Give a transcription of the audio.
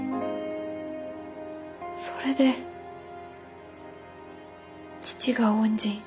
それで父が恩人。